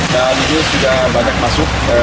dan ini sudah banyak masuk